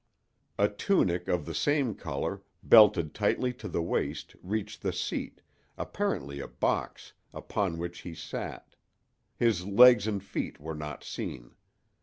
A tunic of the same color, belted tightly to the waist, reached the seat—apparently a box—upon which he sat; his legs and feet were not seen.